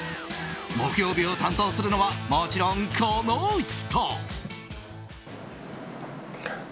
木曜日を担当するのはもちろんこの人。